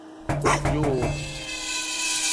Људи